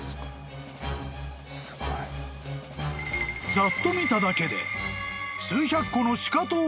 ［ざっと見ただけで］